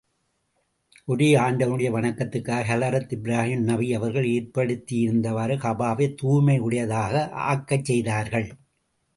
ஒரே ஆண்டவனுடைய வணக்கத்துக்காக ஹலரத் இப்ராகிம் நபி அவர்கள் ஏற்படுத்தியிருந்தவாறு, கஃபாவைத் தூய்மையுடயதாக ஆக்கச் செய்தார்கள்.